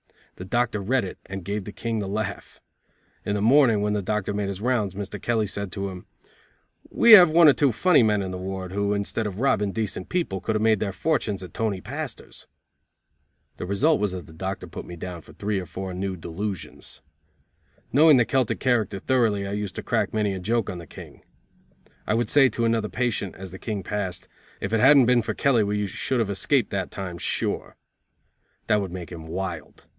The doctor read it and gave the King the laugh. In the morning, when the doctor made his rounds, Mr. Kelly said to him: "We have one or two funny men in the ward who, instead of robbing decent people, could have made their fortunes at Tony Pastor's." The result was that the doctor put me down for three or four new delusions. Knowing the Celtic character thoroughly I used to crack many a joke on the King. I would say to another patient, as the King passed: "If it hadn't been for Kelly we should have escaped that time sure." That would make him wild.